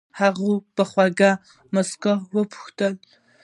هغې په خوږې موسکا وپوښتل.